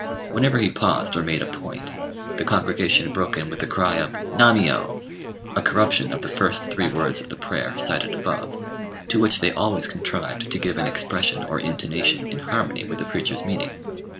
Whenever he paused or made a point, the congregation broke in with a cry of "Nammiyô!" a corruption of the first three words of the prayer cited above, to which they always contrived to give an expression or intonation in harmony with the preacher's meaning.